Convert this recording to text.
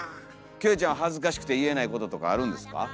キョエちゃん恥ずかしくて言えないこととかあるんですか？